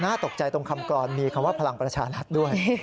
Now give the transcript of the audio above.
ตกใจตรงคำกรอนมีคำว่าพลังประชารัฐด้วย